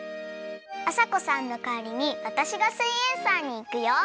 あさこさんのかわりにわたしが「すイエんサー」にいくよ！